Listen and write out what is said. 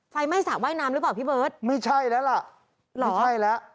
ไฟไหม้สระว่ายน้ำหรือเปล่าพี่เบิร์ตไม่ใช่แล้วล่ะไม่ใช่แล้ว